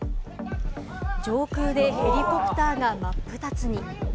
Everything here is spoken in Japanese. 上空でヘリコプターが真っ二つに。